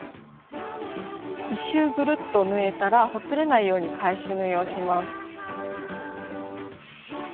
１周ぐるっと縫えたらほつれないように返し縫いをします。